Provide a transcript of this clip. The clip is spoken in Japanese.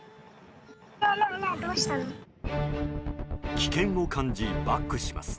危険を感じ、バックします。